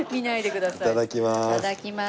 いただきます。